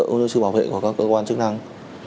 cũng như sự bảo vệ của các cơ quan chức năng